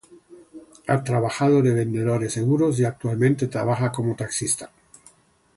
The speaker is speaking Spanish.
Ha trabajado de vendedor de seguros y actualmente trabaja como taxista.